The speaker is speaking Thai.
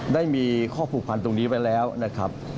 ได้มีข้อผูกพันตรงนี้ไว้แล้วนะครับ